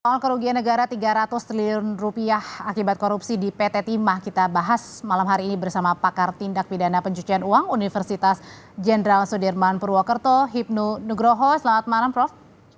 soal kerugian negara tiga ratus triliun rupiah akibat korupsi di pt timah kita bahas malam hari ini bersama pakar tindak pidana pencucian uang universitas jenderal sudirman purwokerto hipnu nugroho selamat malam prof